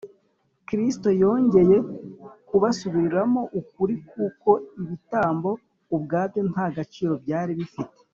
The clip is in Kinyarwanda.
kristo yongeye kubasubiriramo ukuri k’uko ibitambo ubwabyo nta gaciro byari bifite